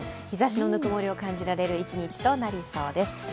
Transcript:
日ざしの温もりを感じられる一日となりそうです。